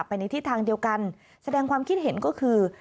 ในที่ทางเดียวกันแสดงความคิดเห็นก็คือ